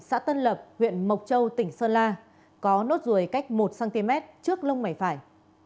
xã tân lập huyện mộc châu tỉnh sơn la có nốt ruồi cách một cm trước lông mày phải